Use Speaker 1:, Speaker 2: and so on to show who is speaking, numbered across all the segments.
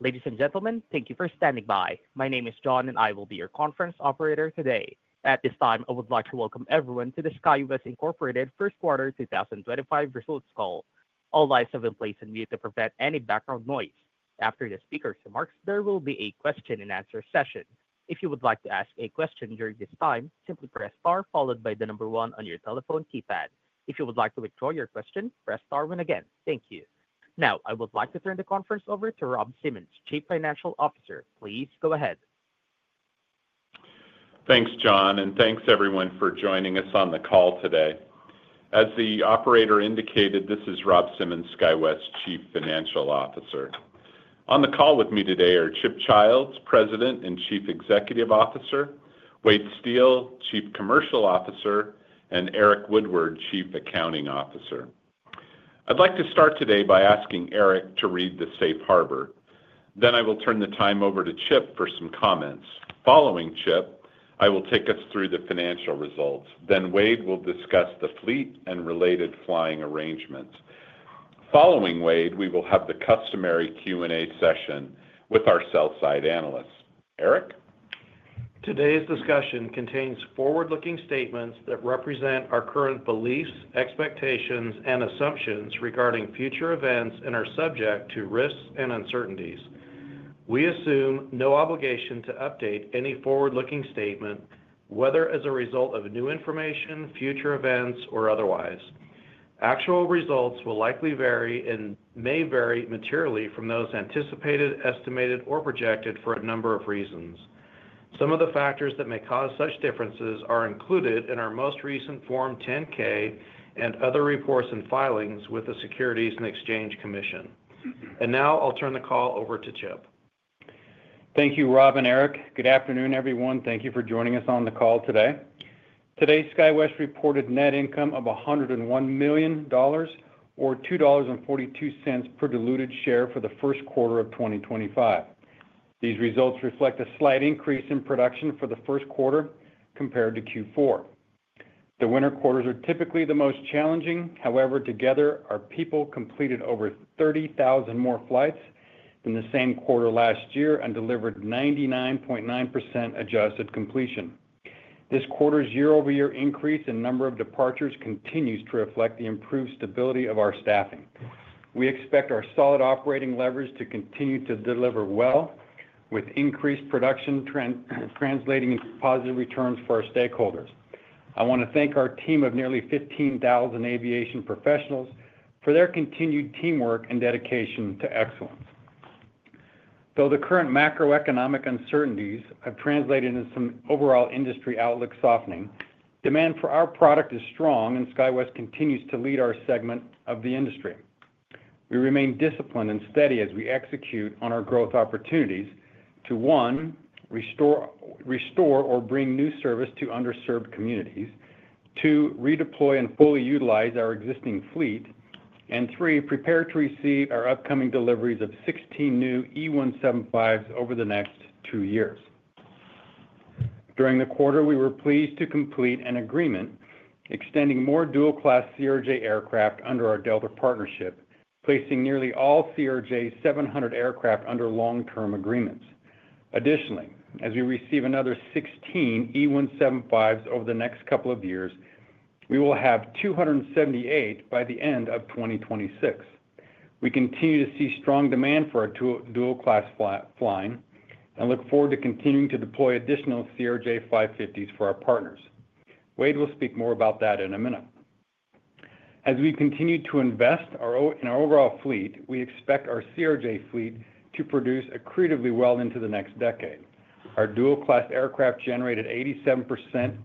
Speaker 1: Ladies and gentlemen, thank you for standing by. My name is John, and I will be your conference operator today. At this time, I would like to welcome everyone to the SkyWest First Quarter 2025 Results Call. All lines have been placed on mute to prevent any background noise. After the speaker's remarks, there will be a question-and-answer session. If you would like to ask a question during this time, simply press star followed by the number one on your telephone keypad. If you would like to withdraw your question, press star one again. Thank you. Now, I would like to turn the conference over to Rob Simmons, Chief Financial Officer. Please go ahead.
Speaker 2: Thanks, John, and thanks everyone for joining us on the call today. As the operator indicated, this is Rob Simmons, SkyWest Chief Financial Officer. On the call with me today are Chip Childs, President and Chief Executive Officer, Wade Steel, Chief Commercial Officer, and Eric Woodward, Chief Accounting Officer. I'd like to start today by asking Eric to read the Safe Harbor. I will turn the time over to Chip for some comments. Following Chip, I will take us through the financial results. Wade will discuss the fleet and related flying arrangements. Following Wade, we will have the customary Q&A session with our sell-side analysts. Eric?
Speaker 3: Today's discussion contains forward-looking statements that represent our current beliefs, expectations, and assumptions regarding future events and are subject to risks and uncertainties. We assume no obligation to update any forward-looking statement, whether as a result of new information, future events, or otherwise. Actual results will likely vary and may vary materially from those anticipated, estimated, or projected for a number of reasons. Some of the factors that may cause such differences are included in our most recent Form 10-K and other reports and filings with the U.S. Securities and Exchange Commission. Now I'll turn the call over to Chip.
Speaker 4: Thank you, Rob and Eric. Good afternoon, everyone. Thank you for joining us on the call today. Today, SkyWest reported net income of $101 million, or $2.42 per diluted share, for the first quarter of 2025. These results reflect a slight increase in production for the first quarter compared to Q4. The winter quarters are typically the most challenging. However, together, our people completed over 30,000 more flights in the same quarter last year and delivered 99.9% adjusted completion. This quarter's year-over-year increase in number of departures continues to reflect the improved stability of our staffing. We expect our solid operating leverage to continue to deliver well, with increased production translating into positive returns for our stakeholders. I want to thank our team of nearly 15,000 aviation professionals for their continued teamwork and dedication to excellence. Though the current macroeconomic uncertainties have translated into some overall industry outlook softening, demand for our product is strong, and SkyWest continues to lead our segment of the industry. We remain disciplined and steady as we execute on our growth opportunities to: one, restore or bring new service to underserved communities; two, redeploy and fully utilize our existing fleet; and three, prepare to receive our upcoming deliveries of 16 new E175s over the next two years. During the quarter, we were pleased to complete an agreement extending more dual-class CRJ aircraft under our Delta partnership, placing nearly all CRJ 700 aircraft under long-term agreements. Additionally, as we receive another 16 E175s over the next couple of years, we will have 278 by the end of 2026. We continue to see strong demand for our dual-class flying and look forward to continuing to deploy additional CRJ 550s for our partners. Wade will speak more about that in a minute. As we continue to invest in our overall fleet, we expect our CRJ fleet to produce accretively well into the next decade. Our dual-class aircraft generated 87%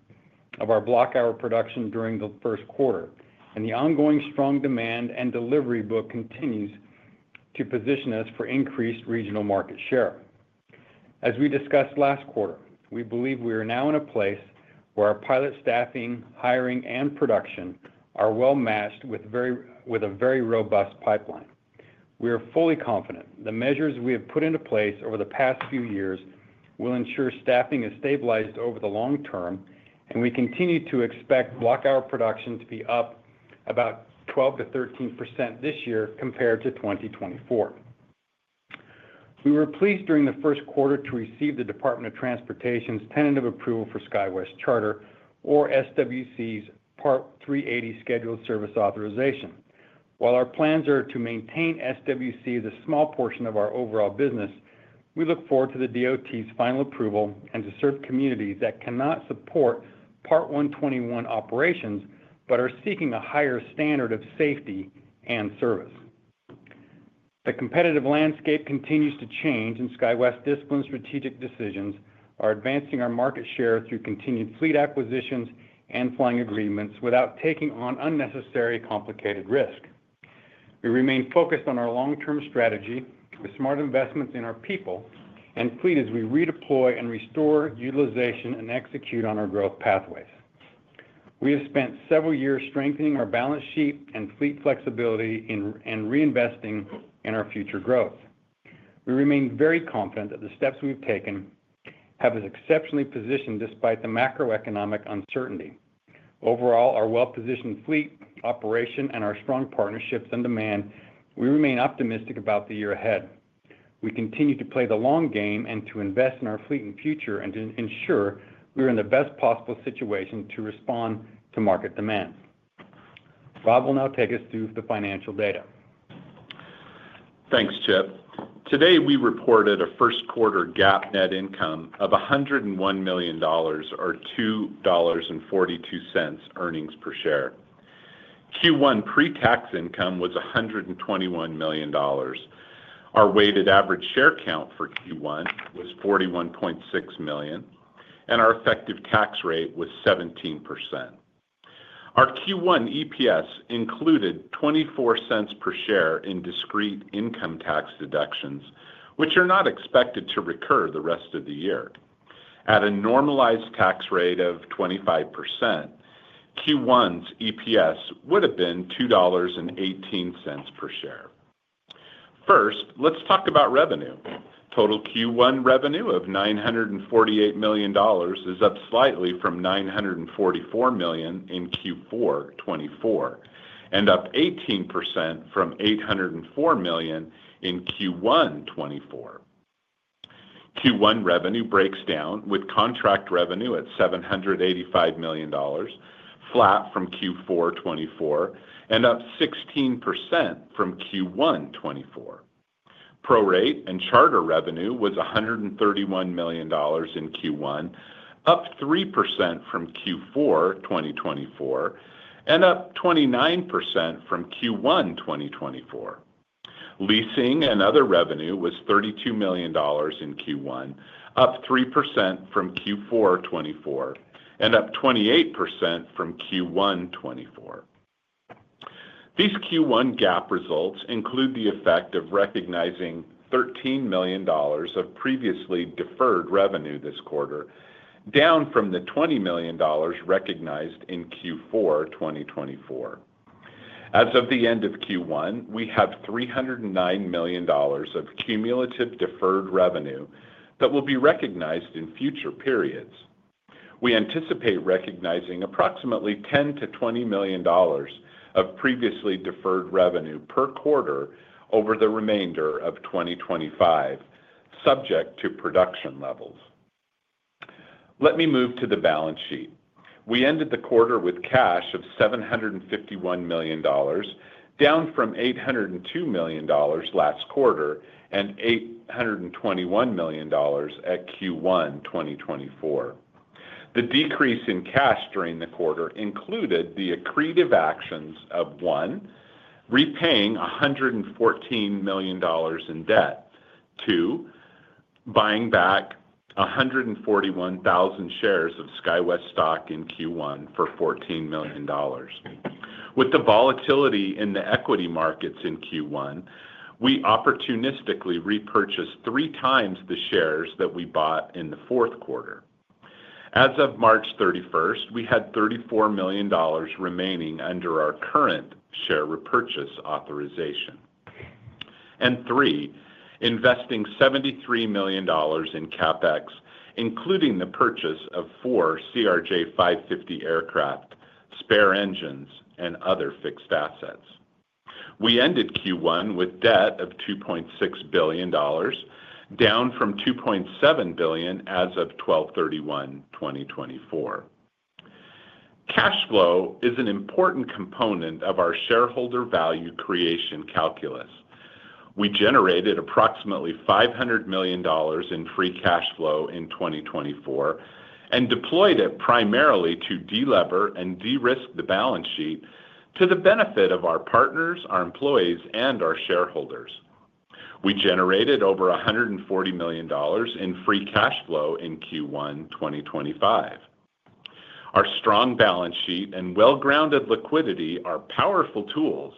Speaker 4: of our block-hour production during the first quarter, and the ongoing strong demand and delivery book continues to position us for increased regional market share. As we discussed last quarter, we believe we are now in a place where our pilot staffing, hiring, and production are well matched with a very robust pipeline. We are fully confident the measures we have put into place over the past few years will ensure staffing is stabilized over the long term, and we continue to expect block-hour production to be up about 12%-13% this year compared to 2024. We were pleased during the first quarter to receive the Department of Transportation's tentative approval for SkyWest Charter, or SWC's Part 380 Scheduled Service Authorization. While our plans are to maintain SWC as a small portion of our overall business, we look forward to the DOT's final approval and to serve communities that cannot support Part 121 operations but are seeking a higher standard of safety and service. The competitive landscape continues to change, and SkyWest's disciplined strategic decisions are advancing our market share through continued fleet acquisitions and flying agreements without taking on unnecessary complicated risk. We remain focused on our long-term strategy with smart investments in our people and fleet as we redeploy and restore utilization and execute on our growth pathways. We have spent several years strengthening our balance sheet and fleet flexibility and reinvesting in our future growth. We remain very confident that the steps we've taken have us exceptionally positioned despite the macroeconomic uncertainty. Overall, our well-positioned fleet operation and our strong partnerships and demand, we remain optimistic about the year ahead. We continue to play the long game and to invest in our fleet and future and to ensure we are in the best possible situation to respond to market demands. Rob will now take us through the financial data.
Speaker 2: Thanks, Chip. Today, we reported a first-quarter GAAP net income of $101 million, or $2.42 earnings per share. Q1 pre-tax income was $121 million. Our weighted average share count for Q1 was 41.6 million, and our effective tax rate was 17%. Our Q1 EPS included $0.24 per share in discrete income tax deductions, which are not expected to recur the rest of the year. At a normalized tax rate of 25%, Q1's EPS would have been $2.18 per share. First, let's talk about revenue. Total Q1 revenue of $948 million is up slightly from $944 million in Q4 2024 and up 18% from $804 million in Q1 2024. Q1 revenue breaks down with contract revenue at $785 million, flat from Q4 2024, and up 16% from Q1 2024. Prorate and charter revenue was $131 million in Q1, up 3% from Q4 2024, and up 29% from Q1 2024. Leasing and other revenue was $32 million in Q1, up 3% from Q4 2024, and up 28% from Q1 2024. These Q1 GAAP results include the effect of recognizing $13 million of previously deferred revenue this quarter, down from the $20 million recognized in Q4 2024. As of the end of Q1, we have $309 million of cumulative deferred revenue that will be recognized in future periods. We anticipate recognizing approximately $10-$20 million of previously deferred revenue per quarter over the remainder of 2025, subject to production levels. Let me move to the balance sheet. We ended the quarter with cash of $751 million, down from $802 million last quarter and $821 million at Q1 2024. The decrease in cash during the quarter included the accretive actions of: one, repaying $114 million in debt; two, buying back 141,000 shares of SkyWest stock in Q1 for $14 million. With the volatility in the equity markets in Q1, we opportunistically repurchased three times the shares that we bought in the fourth quarter. As of March 31, we had $34 million remaining under our current share repurchase authorization. Three, investing $73 million in CapEx, including the purchase of four CRJ 550 aircraft, spare engines, and other fixed assets. We ended Q1 with debt of $2.6 billion, down from $2.7 billion as of December 31, 2024. Cash flow is an important component of our shareholder value creation calculus. We generated approximately $500 million in free cash flow in 2024 and deployed it primarily to delever and de-risk the balance sheet to the benefit of our partners, our employees, and our shareholders. We generated over $140 million in free cash flow in Q1 2025. Our strong balance sheet and well-grounded liquidity are powerful tools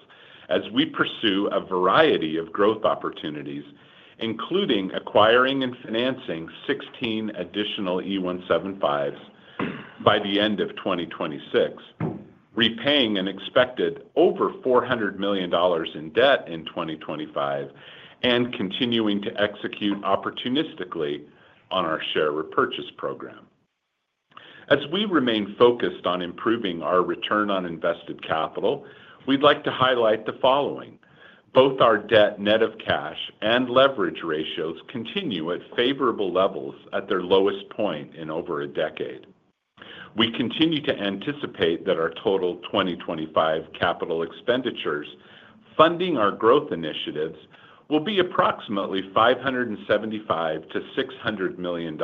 Speaker 2: as we pursue a variety of growth opportunities, including acquiring and financing 16 additional E175s by the end of 2026, repaying an expected over $400 million in debt in 2025, and continuing to execute opportunistically on our share repurchase program. As we remain focused on improving our return on invested capital, we'd like to highlight the following: both our debt net of cash and leverage ratios continue at favorable levels at their lowest point in over a decade. We continue to anticipate that our total 2025 capital expenditures funding our growth initiatives will be approximately $575 million-$600 million,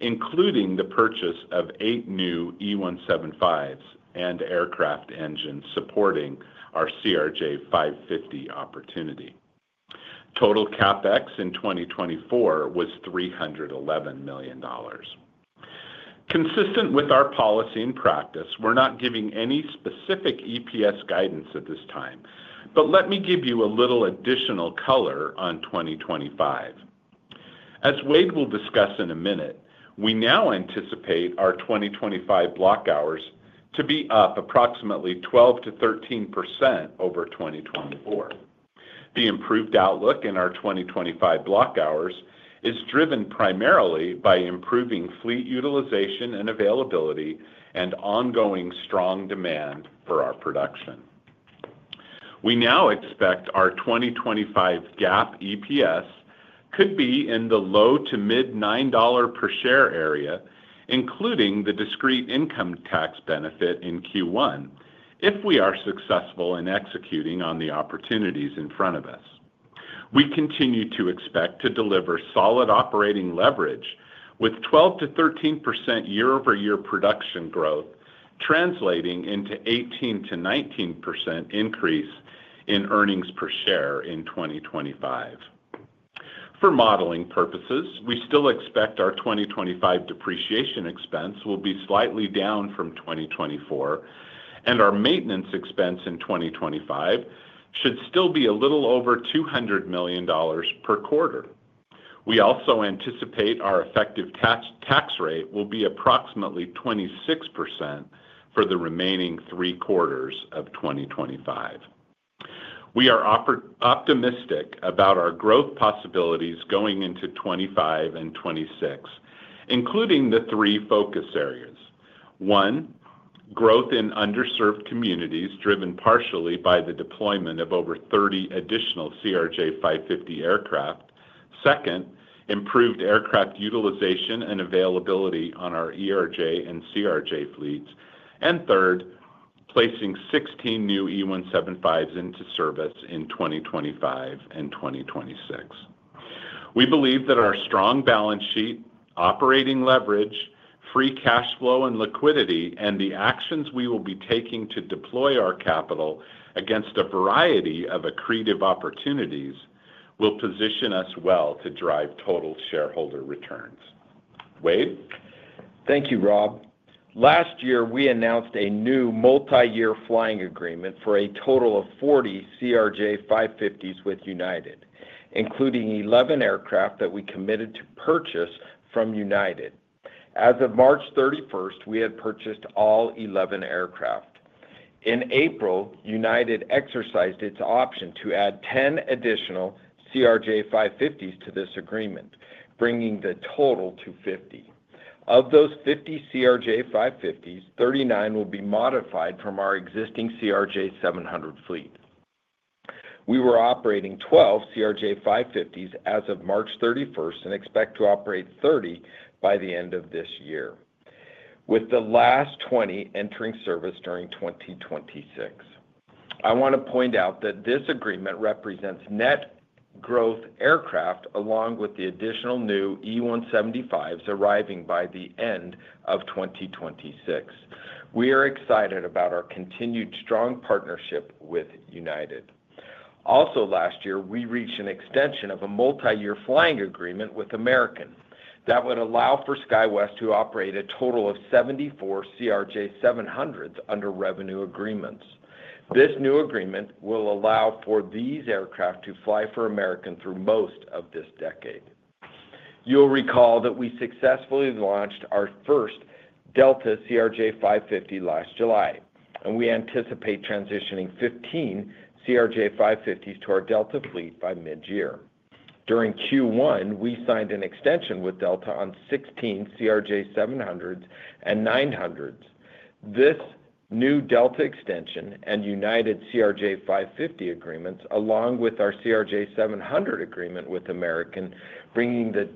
Speaker 2: including the purchase of eight new E175s and aircraft engines supporting our CRJ 550 opportunity. Total CapEx in 2024 was $311 million. Consistent with our policy and practice, we're not giving any specific EPS guidance at this time, but let me give you a little additional color on 2025. As Wade will discuss in a minute, we now anticipate our 2025 block hours to be up approximately 12%-13% over 2024. The improved outlook in our 2025 block hours is driven primarily by improving fleet utilization and availability and ongoing strong demand for our production. We now expect our 2025 GAAP EPS could be in the low to mid $9 per share area, including the discrete income tax benefit in Q1, if we are successful in executing on the opportunities in front of us. We continue to expect to deliver solid operating leverage with 12%-13% year-over-year production growth, translating into an 18%-19% increase in earnings per share in 2025. For modeling purposes, we still expect our 2025 depreciation expense will be slightly down from 2024, and our maintenance expense in 2025 should still be a little over $200 million per quarter. We also anticipate our effective tax rate will be approximately 26% for the remaining three quarters of 2025. We are optimistic about our growth possibilities going into 2025 and 2026, including the three focus areas: one, growth in underserved communities driven partially by the deployment of over 30 additional CRJ 550 aircraft; second, improved aircraft utilization and availability on our ERJ and CRJ fleets; and third, placing 16 new E175s into service in 2025 and 2026. We believe that our strong balance sheet, operating leverage, free cash flow and liquidity, and the actions we will be taking to deploy our capital against a variety of accretive opportunities will position us well to drive total shareholder returns. Wade?
Speaker 5: Thank you, Rob. Last year, we announced a new multi-year flying agreement for a total of 40 CRJ 550s with United, including 11 aircraft that we committed to purchase from United. As of March 31, we had purchased all 11 aircraft. In April, United exercised its option to add 10 additional CRJ 550s to this agreement, bringing the total to 50. Of those 50 CRJ 550s, 39 will be modified from our existing CRJ 700 fleet. We were operating 12 CRJ 550s as of March 31 and expect to operate 30 by the end of this year, with the last 20 entering service during 2026. I want to point out that this agreement represents net growth aircraft along with the additional new E175s arriving by the end of 2026. We are excited about our continued strong partnership with United. Also, last year, we reached an extension of a multi-year flying agreement with American that would allow for SkyWest to operate a total of 74 CRJ 700s under revenue agreements. This new agreement will allow for these aircraft to fly for American through most of this decade. You'll recall that we successfully launched our first Delta CRJ 550 last July, and we anticipate transitioning 15 CRJ 550s to our Delta fleet by mid-year. During Q1, we signed an extension with Delta on 16 CRJ 700s and 900s. This new Delta extension and United CRJ 550 agreements, along with our CRJ 700 agreement with American, bring the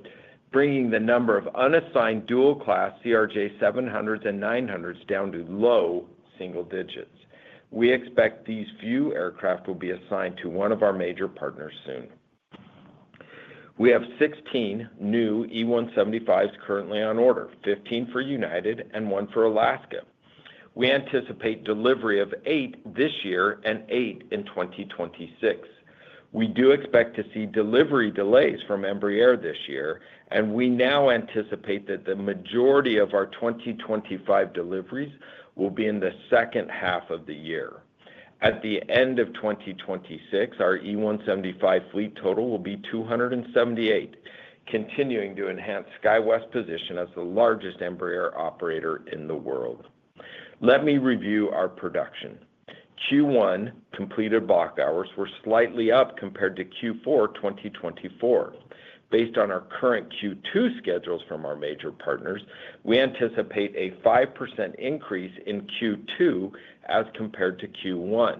Speaker 5: number of unassigned dual-class CRJ 700s and 900s down to low single digits. We expect these few aircraft will be assigned to one of our major partners soon. We have 16 new E175s currently on order, 15 for United and one for Alaska. We anticipate delivery of eight this year and eight in 2026. We do expect to see delivery delays from Embraer this year, and we now anticipate that the majority of our 2025 deliveries will be in the second half of the year. At the end of 2026, our E175 fleet total will be 278, continuing to enhance SkyWest's position as the largest Embraer operator in the world. Let me review our production. Q1 completed block hours were slightly up compared to Q4 2024. Based on our current Q2 schedules from our major partners, we anticipate a 5% increase in Q2 as compared to Q1.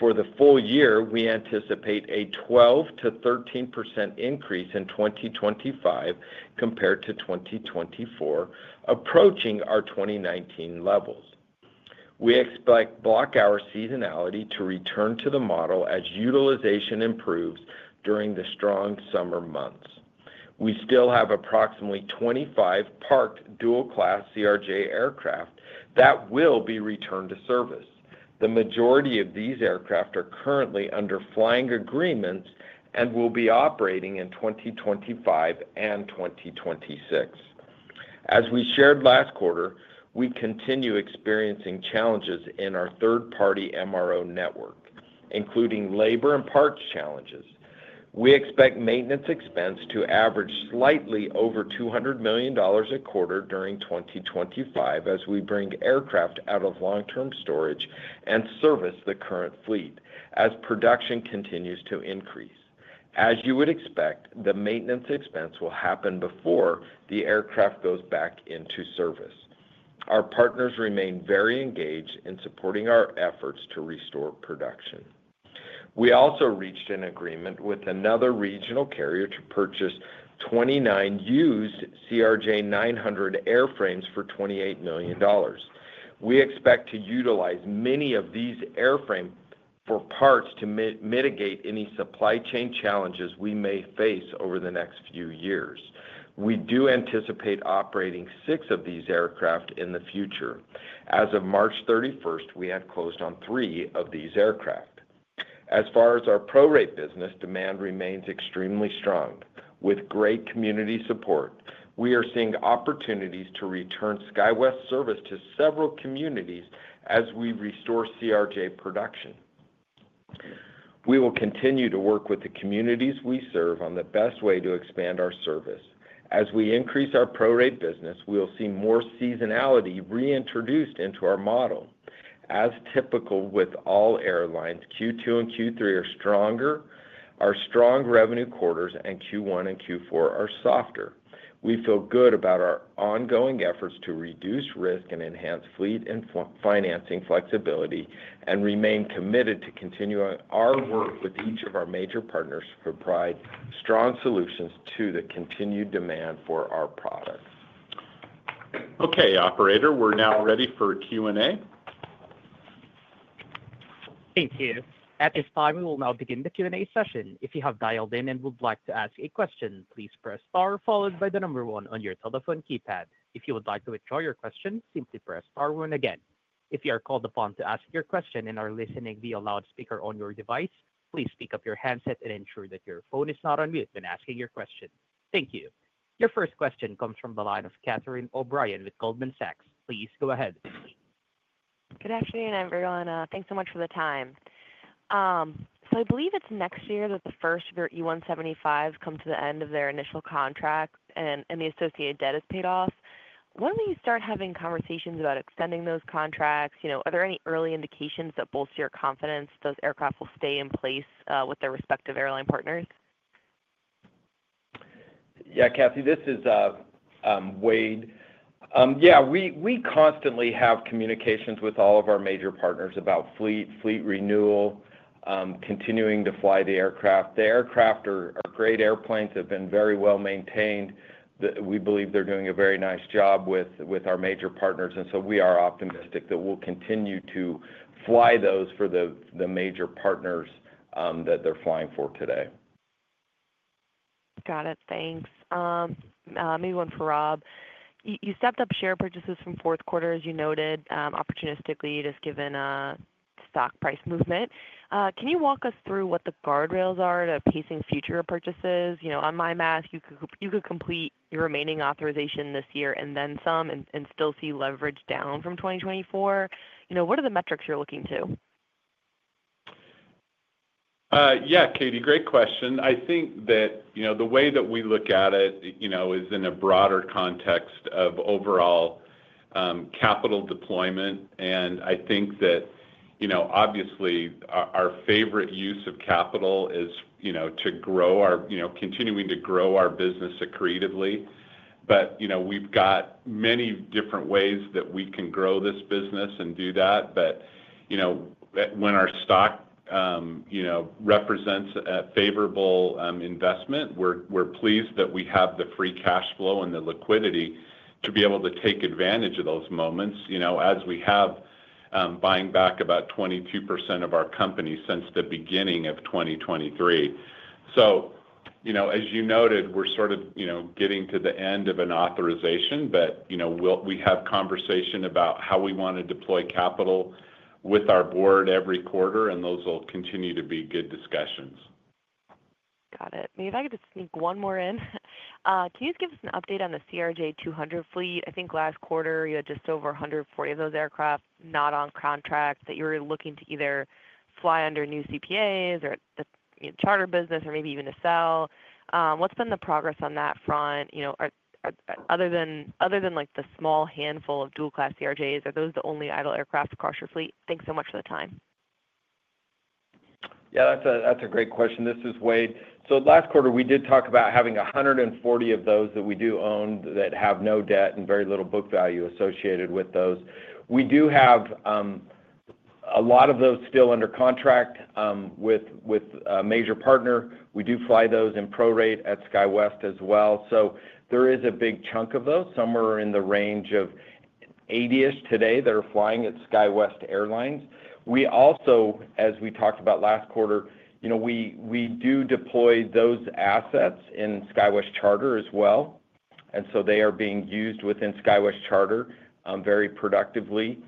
Speaker 5: For the full year, we anticipate a 12%-13% increase in 2025 compared to 2024, approaching our 2019 levels. We expect block hour seasonality to return to the model as utilization improves during the strong summer months. We still have approximately 25 parked dual-class CRJ aircraft that will be returned to service. The majority of these aircraft are currently under flying agreements and will be operating in 2025 and 2026. As we shared last quarter, we continue experiencing challenges in our third-party MRO network, including labor and parts challenges. We expect maintenance expense to average slightly over $200 million a quarter during 2025 as we bring aircraft out of long-term storage and service the current fleet as production continues to increase. As you would expect, the maintenance expense will happen before the aircraft goes back into service. Our partners remain very engaged in supporting our efforts to restore production. We also reached an agreement with another regional carrier to purchase 29 used CRJ 900 airframes for $28 million. We expect to utilize many of these airframes for parts to mitigate any supply chain challenges we may face over the next few years. We do anticipate operating six of these aircraft in the future. As of March 31, we have closed on three of these aircraft. As far as our pro-rate business, demand remains extremely strong. With great community support, we are seeing opportunities to return SkyWest service to several communities as we restore CRJ production. We will continue to work with the communities we serve on the best way to expand our service. As we increase our pro-rate business, we will see more seasonality reintroduced into our model. As typical with all airlines, Q2 and Q3 are stronger, our strong revenue quarters, and Q1 and Q4 are softer. We feel good about our ongoing efforts to reduce risk and enhance fleet and financing flexibility and remain committed to continuing our work with each of our major partners to provide strong solutions to the continued demand for our products.
Speaker 4: Okay, Operator, we're now ready for Q&A.
Speaker 1: Thank you. At this time, we will now begin the Q&A session. If you have dialed in and would like to ask a question, please press star followed by the number one on your telephone keypad. If you would like to withdraw your question, simply press star one again. If you are called upon to ask your question and are listening via loudspeaker on your device, please pick up your handset and ensure that your phone is not on mute when asking your question. Thank you. Your first question comes from the line of Catherine O'Brien with Goldman Sachs. Please go ahead.
Speaker 6: Good afternoon, everyone. Thanks so much for the time. I believe it's next year that the first of their E175s come to the end of their initial contract and the associated debt is paid off. When will you start having conversations about extending those contracts? Are there any early indications that bolster your confidence those aircraft will stay in place with their respective airline partners?
Speaker 5: Yeah, Cathy, this is Wade. Yeah, we constantly have communications with all of our major partners about fleet renewal, continuing to fly the aircraft. The aircraft are great airplanes. They've been very well maintained. We believe they're doing a very nice job with our major partners, and so we are optimistic that we'll continue to fly those for the major partners that they're flying for today.
Speaker 6: Got it. Thanks. Maybe one for Rob. You stepped up share purchases from fourth quarter, as you noted, opportunistically just given stock price movement. Can you walk us through what the guardrails are to pacing future purchases? On my math, you could complete your remaining authorization this year and then some and still see leverage down from 2024. What are the metrics you're looking to?
Speaker 2: Yeah, Catie, great question. I think that the way that we look at it is in a broader context of overall capital deployment, and I think that obviously our favorite use of capital is to grow our continuing to grow our business accretively. We have got many different ways that we can grow this business and do that. When our stock represents a favorable investment, we are pleased that we have the free cash flow and the liquidity to be able to take advantage of those moments as we have buying back about 22% of our company since the beginning of 2023. As you noted, we are sort of getting to the end of an authorization, but we have conversation about how we want to deploy capital with our board every quarter, and those will continue to be good discussions.
Speaker 6: Got it. Maybe if I could just sneak one more in. Can you just give us an update on the CRJ 200 fleet? I think last quarter you had just over 140 of those aircraft not on contract that you were looking to either fly under new CPAs or the charter business or maybe even to sell. What's been the progress on that front? Other than the small handful of dual-class CRJs, are those the only idle aircraft across your fleet? Thanks so much for the time.
Speaker 5: Yeah, that's a great question. This is Wade. Last quarter, we did talk about having 140 of those that we do own that have no debt and very little book value associated with those. We do have a lot of those still under contract with a major partner. We do fly those in pro-rate at SkyWest as well. There is a big chunk of those. Some are in the range of 80-ish today that are flying at SkyWest Airlines. We also, as we talked about last quarter, deploy those assets in SkyWest Charter as well. They are being used within SkyWest Charter very productively.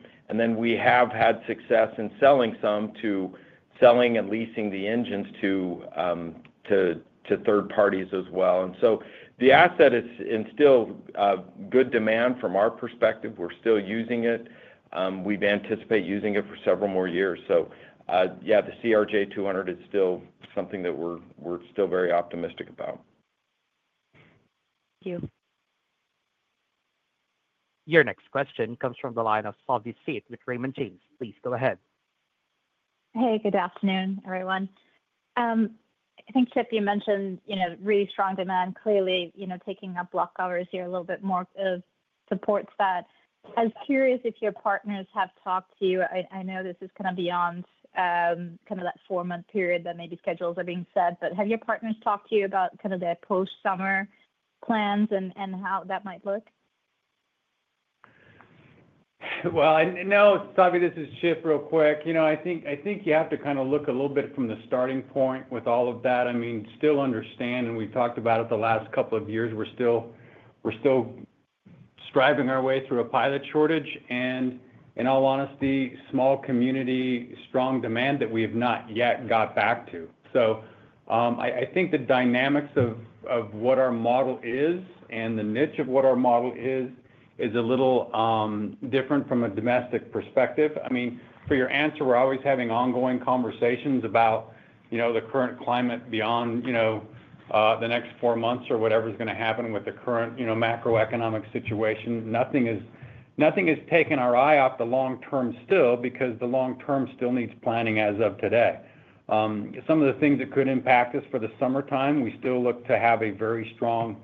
Speaker 5: We have had success in selling some to selling and leasing the engines to third parties as well. The asset is in still good demand from our perspective. We're still using it. We anticipate using it for several more years. Yeah, the CRJ 200 is still something that we're still very optimistic about.
Speaker 6: Thank you.
Speaker 1: Your next question comes from the line of Savanthi Syth with Raymond James. Please go ahead.
Speaker 7: Hey, good afternoon, everyone. I think, Chip, you mentioned really strong demand. Clearly, taking up block hours here a little bit more supports that. I was curious if your partners have talked to you. I know this is kind of beyond kind of that four-month period that maybe schedules are being set, but have your partners talked to you about kind of their post-summer plans and how that might look?
Speaker 4: No, Savi, this is Chip real quick. I think you have to kind of look a little bit from the starting point with all of that. I mean, still understand, and we've talked about it the last couple of years. We're still striving our way through a pilot shortage, and in all honesty, small community, strong demand that we have not yet got back to. I think the dynamics of what our model is and the niche of what our model is is a little different from a domestic perspective. I mean, for your answer, we're always having ongoing conversations about the current climate beyond the next four months or whatever is going to happen with the current macroeconomic situation. Nothing has taken our eye off the long-term still because the long-term still needs planning as of today. Some of the things that could impact us for the summertime, we still look to have a very strong,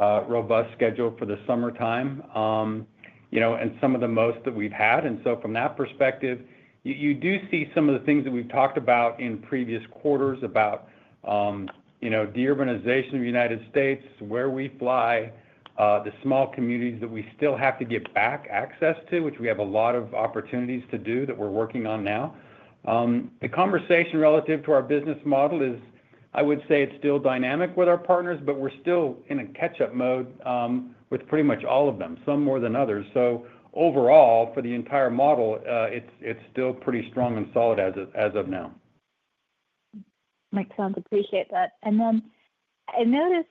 Speaker 4: robust schedule for the summertime and some of the most that we've had. From that perspective, you do see some of the things that we've talked about in previous quarters about de-urbanization of the United States, where we fly, the small communities that we still have to get back access to, which we have a lot of opportunities to do that we're working on now. The conversation relative to our business model is, I would say it's still dynamic with our partners, but we're still in a catch-up mode with pretty much all of them, some more than others. Overall, for the entire model, it's still pretty strong and solid as of now.
Speaker 7: Makes sense. Appreciate that. I noticed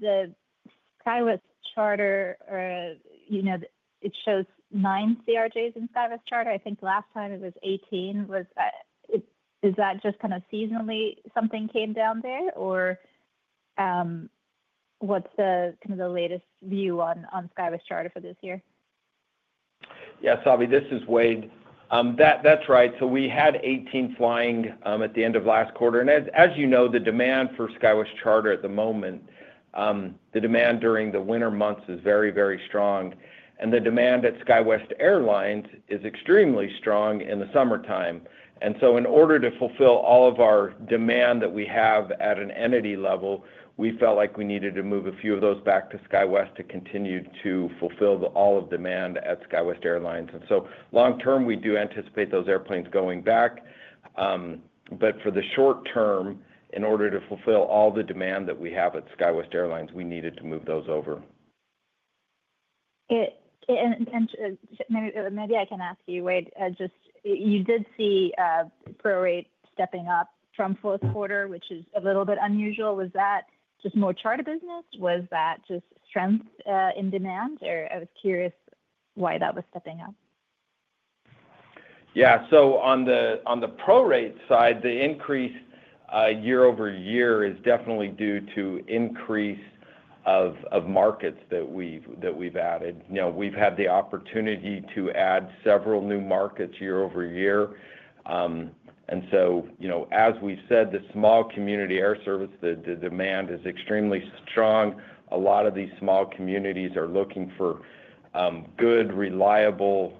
Speaker 7: the SkyWest Charter, it shows nine CRJs in SkyWest Charter. I think last time it was 18. Is that just kind of seasonally something came down there, or what's kind of the latest view on SkyWest Charter for this year?
Speaker 5: Yeah, Savi, this is Wade. That's right. We had 18 flying at the end of last quarter. As you know, the demand for SkyWest Charter at the moment, the demand during the winter months is very, very strong. The demand at SkyWest Airlines is extremely strong in the summertime. In order to fulfill all of our demand that we have at an entity level, we felt like we needed to move a few of those back to SkyWest to continue to fulfill all of the demand at SkyWest Airlines. Long-term, we do anticipate those airplanes going back. For the short term, in order to fulfill all the demand that we have at SkyWest Airlines, we needed to move those over.
Speaker 7: Maybe I can ask you, Wade, just you did see pro-rate stepping up from fourth quarter, which is a little bit unusual. Was that just more charter business? Was that just strength in demand? I was curious why that was stepping up.
Speaker 5: Yeah. On the pro-rate side, the increase year-over-year is definitely due to increase of markets that we've added. We've had the opportunity to add several new markets year-over-year. As we've said, the small community air service, the demand is extremely strong. A lot of these small communities are looking for good, reliable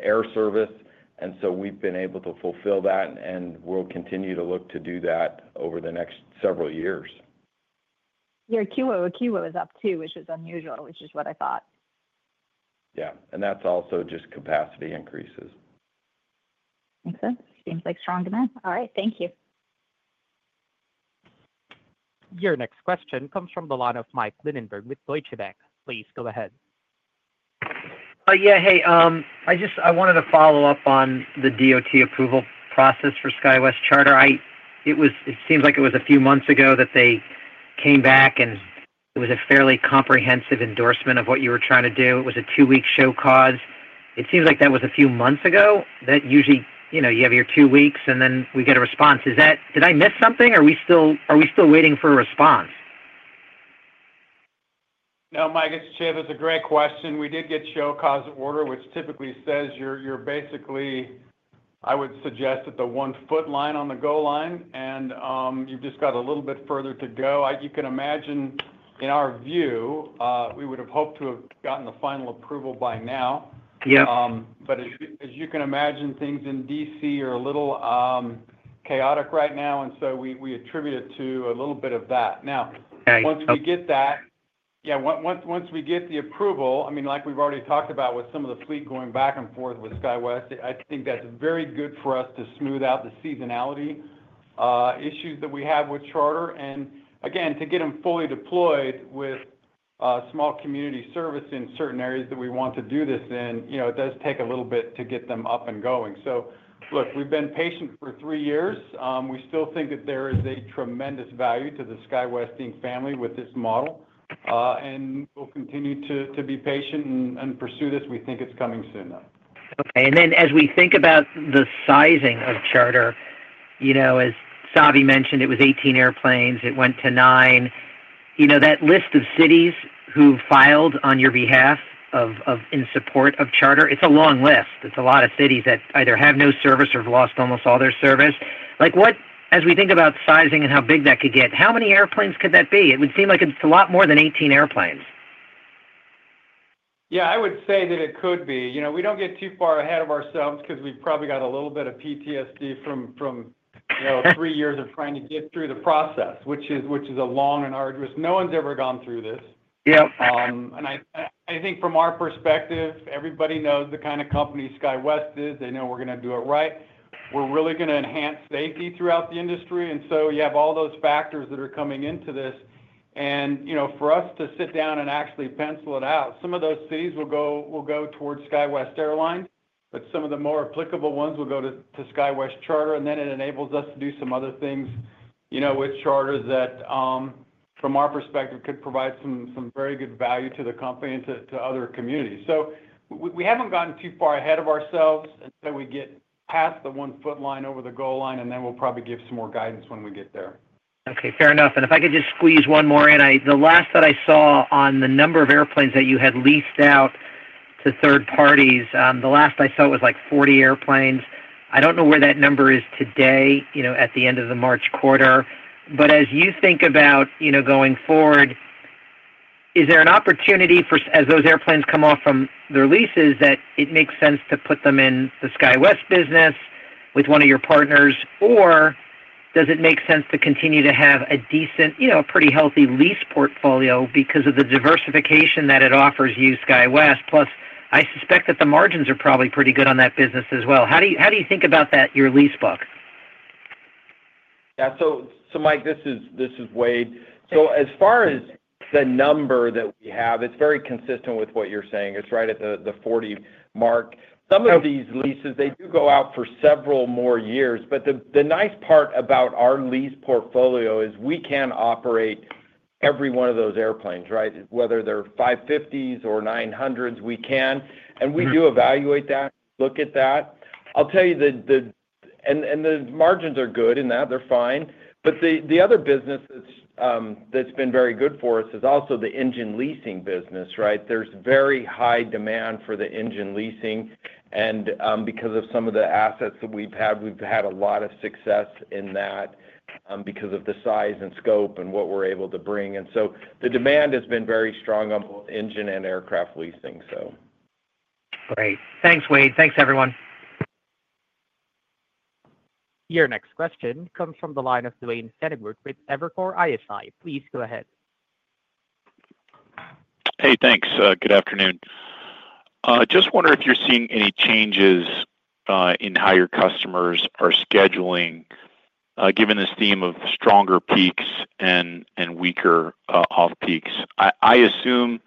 Speaker 5: air service. We've been able to fulfill that, and we'll continue to look to do that over the next several years.
Speaker 7: Your QO, QO is up too, which is unusual, which is what I thought.
Speaker 5: Yeah. That is also just capacity increases.
Speaker 7: Makes sense. Seems like strong demand. All right. Thank you.
Speaker 1: Your next question comes from the line of Mike Linenberg with Deutsche Bank. Please go ahead.
Speaker 8: Yeah, hey. I wanted to follow up on the DOT approval process for SkyWest Charter. It seems like it was a few months ago that they came back, and it was a fairly comprehensive endorsement of what you were trying to do. It was a two-week show cause. It seems like that was a few months ago that usually you have your two weeks, and then we get a response. Did I miss something? Are we still waiting for a response?
Speaker 4: No, Mike, it's Chip. It's a great question. We did get show cause order, which typically says you're basically, I would suggest, at the one-foot line on the go line, and you've just got a little bit further to go. You can imagine, in our view, we would have hoped to have gotten the final approval by now. As you can imagine, things in D.C. are a little chaotic right now, and we attribute it to a little bit of that. Now, once we get that, yeah, once we get the approval, I mean, like we've already talked about with some of the fleet going back and forth with SkyWest, I think that's very good for us to smooth out the seasonality issues that we have with charter. To get them fully deployed with small community service in certain areas that we want to do this in, it does take a little bit to get them up and going. Look, we've been patient for three years. We still think that there is a tremendous value to the SkyWest family with this model, and we'll continue to be patient and pursue this. We think it's coming soon though.
Speaker 8: Okay. As we think about the sizing of charter, as Savanthi mentioned, it was 18 airplanes. It went to nine. That list of cities who filed on your behalf in support of charter, it's a long list. It's a lot of cities that either have no service or have lost almost all their service. As we think about sizing and how big that could get, how many airplanes could that be? It would seem like it's a lot more than 18 airplanes.
Speaker 4: Yeah, I would say that it could be. We don't get too far ahead of ourselves because we've probably got a little bit of PTSD from three years of trying to get through the process, which is long and arduous. No one's ever gone through this. I think from our perspective, everybody knows the kind of company SkyWest is. They know we're going to do it right. We're really going to enhance safety throughout the industry. You have all those factors that are coming into this. For us to sit down and actually pencil it out, some of those cities will go towards SkyWest Airlines, but some of the more applicable ones will go to SkyWest Charter. It enables us to do some other things with charters that, from our perspective, could provide some very good value to the company and to other communities. We have not gotten too far ahead of ourselves. Once we get past the one-foot line over the go line, we will probably give some more guidance when we get there.
Speaker 8: Okay. Fair enough. If I could just squeeze one more in. The last that I saw on the number of airplanes that you had leased out to third parties, the last I saw was like 40 airplanes. I do not know where that number is today at the end of the March quarter. As you think about going forward, is there an opportunity for, as those airplanes come off from their leases, that it makes sense to put them in the SkyWest business with one of your partners? Or does it make sense to continue to have a decent, a pretty healthy lease portfolio because of the diversification that it offers you, SkyWest? Plus, I suspect that the margins are probably pretty good on that business as well. How do you think about that, your lease book?
Speaker 5: Yeah. Mike, this is Wade. As far as the number that we have, it's very consistent with what you're saying. It's right at the 40 mark. Some of these leases do go out for several more years. The nice part about our lease portfolio is we can operate every one of those airplanes, right? Whether they're 550s or 900s, we can. We do evaluate that, look at that. I'll tell you that the margins are good in that. They're fine. The other business that's been very good for us is also the engine leasing business, right? There's very high demand for the engine leasing. Because of some of the assets that we've had, we've had a lot of success in that because of the size and scope and what we're able to bring. The demand has been very strong on both engine and aircraft leasing, so.
Speaker 8: Great. Thanks, Wade. Thanks, everyone.
Speaker 1: Your next question comes from the line of Duane Pfennigwerth with Evercore ISI. Please go ahead.
Speaker 9: Hey, thanks. Good afternoon. Just wondering if you're seeing any changes in how your customers are scheduling given this theme of stronger peaks and weaker off-peaks. I assume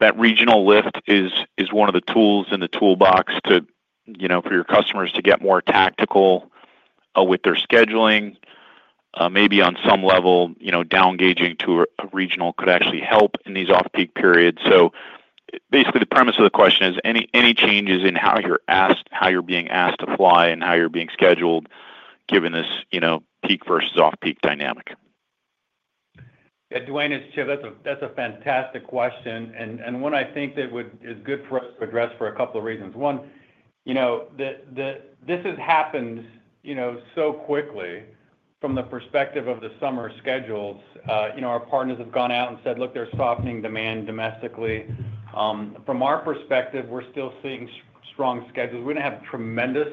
Speaker 9: that regional lift is one of the tools in the toolbox for your customers to get more tactical with their scheduling. Maybe on some level, downgauging to a regional could actually help in these off-peak periods. Basically, the premise of the question is any changes in how you're being asked to fly and how you're being scheduled given this peak versus off-peak dynamic?
Speaker 3: Yeah, Duane, it's Chip. That's a fantastic question. One I think that is good for us to address for a couple of reasons. One, this has happened so quickly from the perspective of the summer schedules. Our partners have gone out and said, "Look, there's softening demand domestically." From our perspective, we're still seeing strong schedules. We don't have tremendous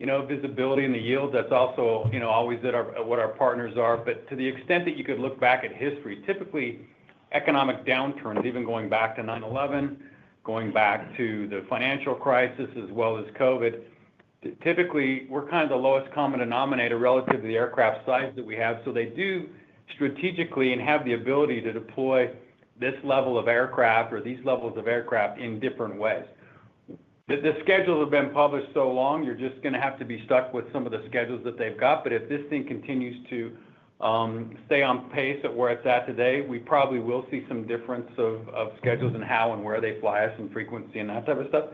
Speaker 3: visibility in the yields. That's also always what our partners are. To the extent that you could look back at history, typically, economic downturns, even going back to 9/11, going back to the financial crisis as well as COVID, typically, we're kind of the lowest common denominator relative to the aircraft size that we have. They do strategically and have the ability to deploy this level of aircraft or these levels of aircraft in different ways. The schedules have been published so long, you're just going to have to be stuck with some of the schedules that they've got. If this thing continues to stay on pace at where it's at today, we probably will see some difference of schedules and how and where they fly us and frequency and that type of stuff.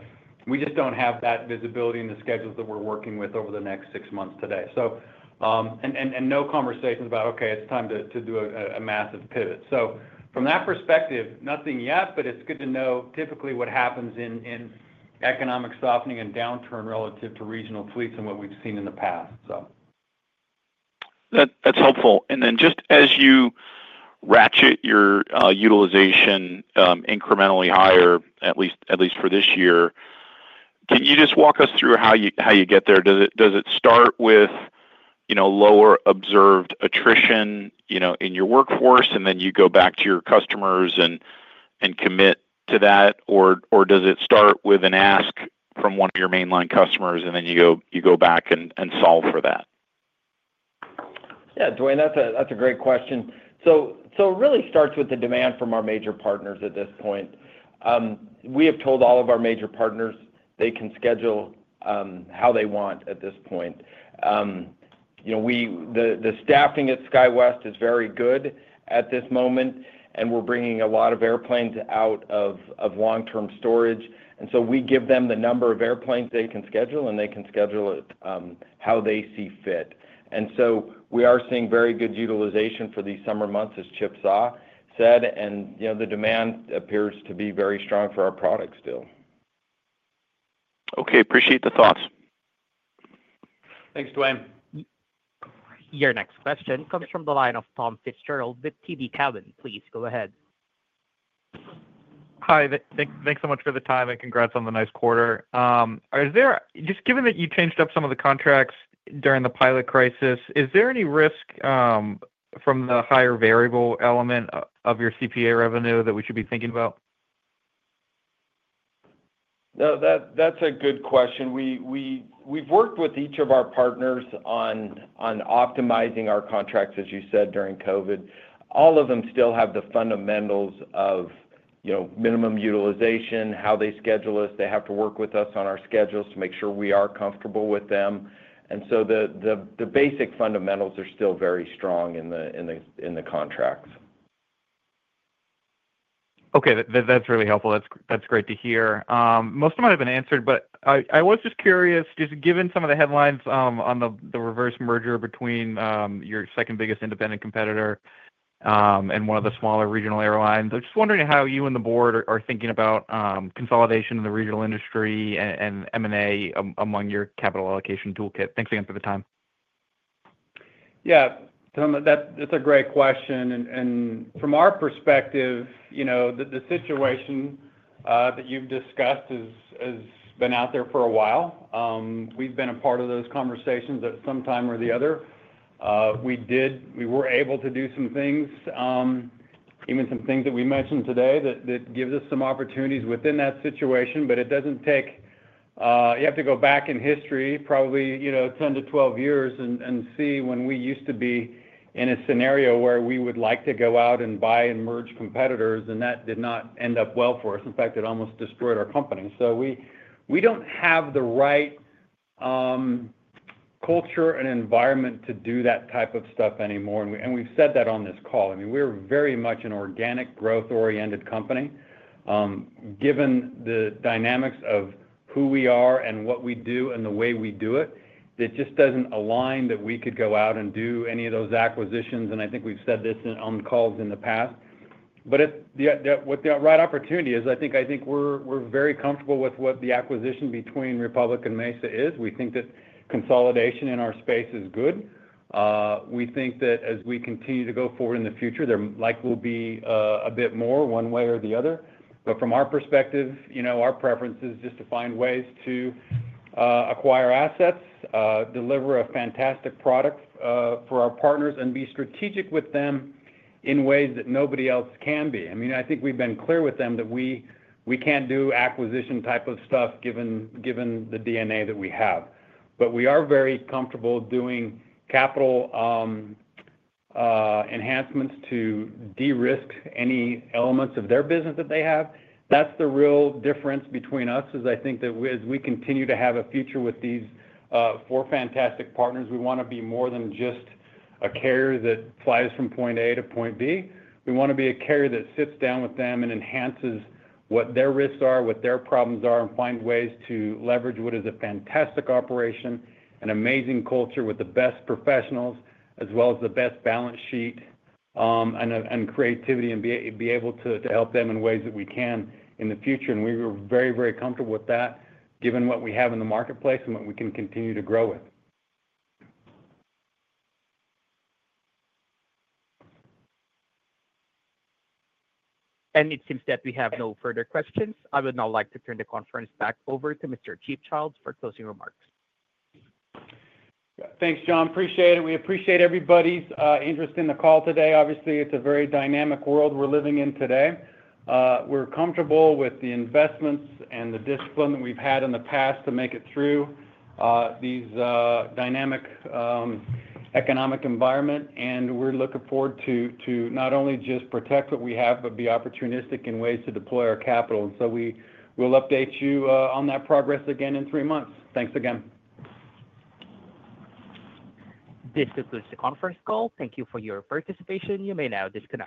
Speaker 3: We just don't have that visibility in the schedules that we're working with over the next six months today. No conversations about, "Okay, it's time to do a massive pivot." From that perspective, nothing yet, but it's good to know typically what happens in economic softening and downturn relative to regional fleets and what we've seen in the past, so.
Speaker 9: That's helpful. Just as you ratchet your utilization incrementally higher, at least for this year, can you just walk us through how you get there? Does it start with lower observed attrition in your workforce, and then you go back to your customers and commit to that? Or does it start with an ask from one of your mainline customers, and then you go back and solve for that?
Speaker 3: Yeah, Duane, that's a great question. It really starts with the demand from our major partners at this point. We have told all of our major partners they can schedule how they want at this point. The staffing at SkyWest is very good at this moment, and we're bringing a lot of airplanes out of long-term storage. We give them the number of airplanes they can schedule, and they can schedule it how they see fit. We are seeing very good utilization for these summer months, as Chip said. The demand appears to be very strong for our product still.
Speaker 9: Okay. Appreciate the thoughts.
Speaker 3: Thanks, Duane.
Speaker 1: Your next question comes from the line of Tom Fitzgerald with TD Cowen. Please go ahead.
Speaker 10: Hi, thanks so much for the time, and congrats on the nice quarter. Just given that you changed up some of the contracts during the pilot crisis, is there any risk from the higher variable element of your CPA revenue that we should be thinking about?
Speaker 3: No, that's a good question. We've worked with each of our partners on optimizing our contracts, as you said, during COVID. All of them still have the fundamentals of minimum utilization, how they schedule us. They have to work with us on our schedules to make sure we are comfortable with them. The basic fundamentals are still very strong in the contracts.
Speaker 10: Okay. That's really helpful. That's great to hear. Most of them have been answered, but I was just curious, just given some of the headlines on the reverse merger between your second biggest independent competitor and one of the smaller regional airlines, I'm just wondering how you and the board are thinking about consolidation in the regional industry and M&A among your capital allocation toolkit. Thanks again for the time.
Speaker 3: Yeah. That's a great question. From our perspective, the situation that you've discussed has been out there for a while. We've been a part of those conversations at some time or the other. We were able to do some things, even some things that we mentioned today, that give us some opportunities within that situation. It does not take you have to go back in history, probably 10-12 years, and see when we used to be in a scenario where we would like to go out and buy and merge competitors, and that did not end up well for us. In fact, it almost destroyed our company. We do not have the right culture and environment to do that type of stuff anymore. We've said that on this call. I mean, we're very much an organic growth-oriented company. Given the dynamics of who we are and what we do and the way we do it, it just does not align that we could go out and do any of those acquisitions. I think we have said this on calls in the past. With the right opportunity, I think we are very comfortable with what the acquisition between Republic and Mesa is. We think that consolidation in our space is good. We think that as we continue to go forward in the future, there likely will be a bit more one way or the other. From our perspective, our preference is just to find ways to acquire assets, deliver a fantastic product for our partners, and be strategic with them in ways that nobody else can be. I mean, I think we've been clear with them that we can't do acquisition type of stuff given the DNA that we have. We are very comfortable doing capital enhancements to de-risk any elements of their business that they have. That's the real difference between us, is I think that as we continue to have a future with these four fantastic partners, we want to be more than just a carrier that flies from point A to point B. We want to be a carrier that sits down with them and enhances what their risks are, what their problems are, and find ways to leverage what is a fantastic operation, an amazing culture with the best professionals, as well as the best balance sheet and creativity, and be able to help them in ways that we can in the future. We were very, very comfortable with that, given what we have in the marketplace and what we can continue to grow with.
Speaker 1: It seems that we have no further questions. I would now like to turn the conference back over to Mr. Chip Childs for closing remarks.
Speaker 4: Thanks, John. Appreciate it. We appreciate everybody's interest in the call today. Obviously, it's a very dynamic world we're living in today. We're comfortable with the investments and the discipline that we've had in the past to make it through these dynamic economic environment. We're looking forward to not only just protect what we have, but be opportunistic in ways to deploy our capital. We will update you on that progress again in three months. Thanks again.
Speaker 1: This concludes the conference call. Thank you for your participation. You may now disconnect.